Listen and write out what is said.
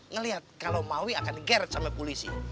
ngelihat kalau mau akan geret sama polisi